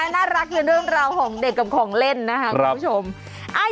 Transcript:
น่ารักในเรื่องราวของเด็กกับของเล่นนะคะคุณผู้ชม